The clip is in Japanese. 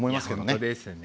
本当ですね。